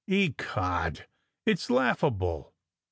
Ecod ! it's laugh able!